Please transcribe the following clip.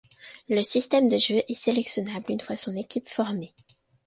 Le système de jeu est sélectionnable une fois son équipe formée.